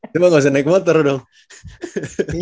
cuma nggak usah naik motor dong